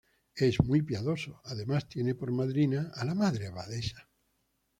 es muy piadoso... además tiene por madrina a la Madre Abadesa.